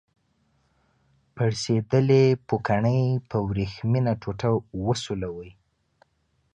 پړسیدلې پوکڼۍ په وریښمینه ټوټه وسولوئ.